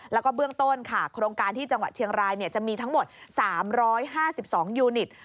แล้วก็เบื้องต้นค่ะโครงการที่จังหวัดเชียงรายจะมีทั้งหมด๓๕๒ยูนิต